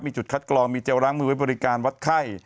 มีจุดคัดกรองมีเจลล้างมือไว้บริการวัดไข้